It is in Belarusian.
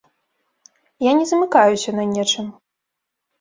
Я не замыкаюся на нечым.